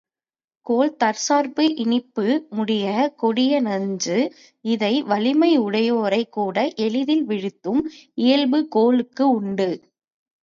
கோள் தற்சார்பு இனிப்பு மூடிய கொடிய நஞ்சு, இதய வலிமையுடையோரைக் கூட எளிதில் வீழ்த்தும் இயல்பு கோளுக்கு உண்டு.